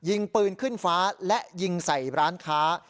ยิงปืนขึ้นฟ้าและยิงใส่ร้านค้า